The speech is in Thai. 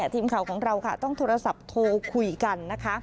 ทีมข่าวของเราค่ะต้องโทรศัพท์โทรคุยกันนะคะ